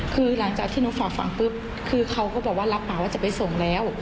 คือหลังจากที่หนูฝากฝังปุ๊บคือเขาก็บอกว่ารับปากว่าจะไปส่งแล้ว